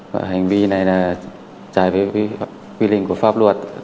hành vi này trải với quy định của pháp luật